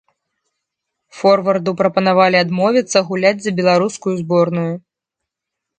Форварду прапанавалі адмовіцца гуляць за беларускую зборную.